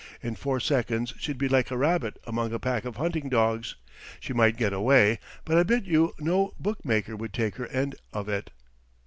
In four seconds she'd be like a rabbit among a pack of hunting dogs. She might get away, but I bet you no bookmaker would take her end of it."